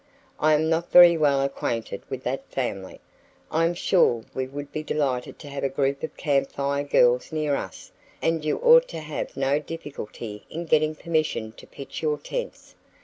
I am not very well acquainted with that family. I am sure we would be delighted to have a group of Camp Fire Girls near us and you ought to have no difficulty in getting permission to pitch your tents.